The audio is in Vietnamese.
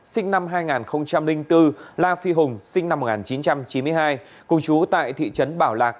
sinh năm hai nghìn bốn la phi hùng sinh năm một nghìn chín trăm chín mươi hai cùng chú tại thị trấn bảo lạc